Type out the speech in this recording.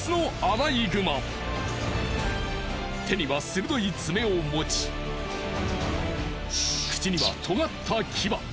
手には鋭い爪を持ち口には尖った牙。